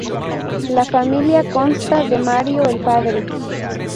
La familia consta de Mario, el padre.